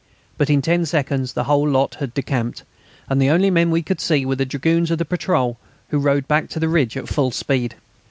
But in ten seconds the whole lot had decamped, and the only men we could see were the dragoons of the patrol, who rode back to the ridge at full speed.